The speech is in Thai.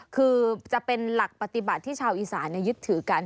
คือจะเป็นหลักปฏิบัติที่ชาวอีสานยึดถือกัน